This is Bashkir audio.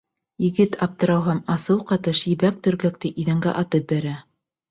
Егет аптырау һәм асыу ҡатыш ебәк төргәкте иҙәнгә атып бәрә.